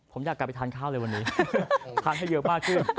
ผมอยากกลับไปทานข้าวเลยวันนี้ทานให้เยอะมากขึ้น